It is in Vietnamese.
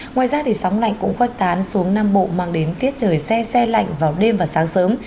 ngoài ra thì sóng lạnh cũng khoách tán xuống nam bộ mang đến tiết trời xe xe lạnh vào đêm và sáng sớm